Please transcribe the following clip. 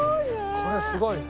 これすごいね。